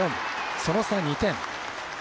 その差２点。